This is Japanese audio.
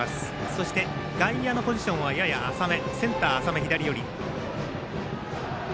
そして、外野のポジションはやや浅め。